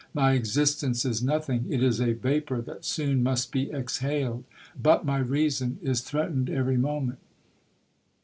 My existence is nothing—it is a vapour that soon must be exhaled—but my reason is threatened every moment!